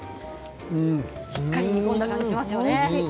しっかり煮込んだ味がしますよね。